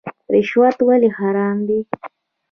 رشوت ولې حرام دی؟